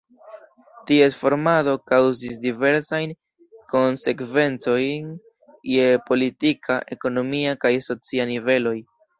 Ties formado kaŭzis diversajn konsekvencojn je politika, ekonomia kaj socia niveloj.